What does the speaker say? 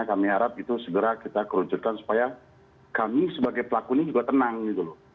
kami harap itu segera kita kerucutkan supaya kami sebagai pelaku ini juga tenang gitu loh